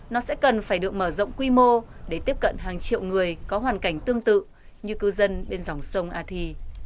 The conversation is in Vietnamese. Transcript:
nó sẽ cần phải được mở rộng quy mô để tiếp cận hàng triệu người có hoàn cảnh tương tự như cư dân bên dòng sông athi